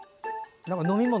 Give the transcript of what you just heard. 飲み物？